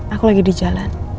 aku lagi di jalan